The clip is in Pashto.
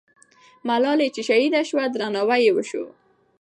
ملالۍ چې شهیده سوه، درناوی یې وسو.